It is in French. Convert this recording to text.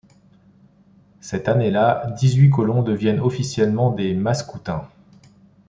Cette année-là, dix-huit colons deviennent officiellement des maskoutains.